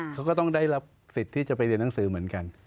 เขาก็ต้องได้รับสิทธิ์ที่จะไปเรียนหนังสือเหมือนกัน